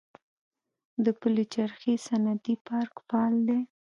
د پلچرخي صنعتي پارک فعال دی